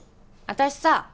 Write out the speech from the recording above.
私さ